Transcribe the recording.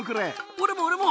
俺も俺も！